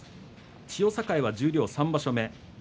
千代栄は十両３場所目。